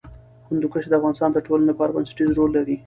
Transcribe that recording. هندوکش د افغانستان د ټولنې لپاره بنسټيز رول لري.